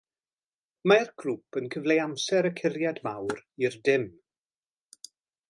Mae'r grŵp yn cyfleu amser y curiad mawr i'r dim.